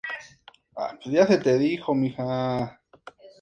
El nombre proviene del edificio anterior que tenía un aspecto de torre.